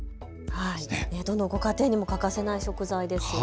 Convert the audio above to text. どのご家庭にも欠かせない食材ですよね。